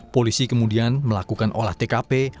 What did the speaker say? polisi kemudian melakukan olah tkp